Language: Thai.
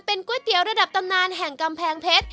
ก๋วยเตี๋ยวระดับตำนานแห่งกำแพงเพชร